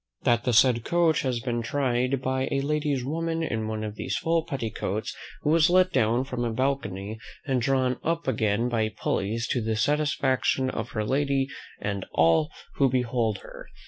"That the said coach has been tried by a lady's woman in one of these full petticoats, who was let down from a balcony, and drawn up again by pulleys, to the great satisfaction of her lady, and all who behold her.